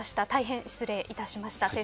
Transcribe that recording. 大変失礼いたしました。